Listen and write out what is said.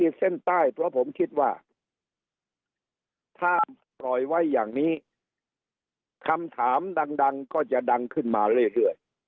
เช่น๒ถ้าปล่อยไว้อย่างนี้คำถามดังก็จะดังขึ้นมาเรื่อย